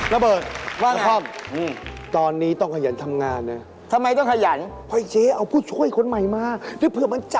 น้าเบิร์ดว่าอย่างไรน้าพร่อมนี่